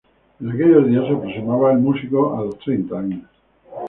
En aquellos días se aproximaba el músico a los treinta años.